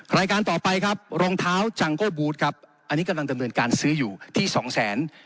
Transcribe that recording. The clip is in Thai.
รายการต่อไปครับรองเท้าจังโก้บูธครับอันนี้กำลังดำเนินการซื้ออยู่ที่สองแสน